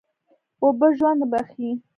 اوبه ژوند بښي.